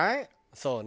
そうね。